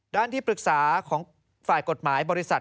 ที่ปรึกษาของฝ่ายกฎหมายบริษัท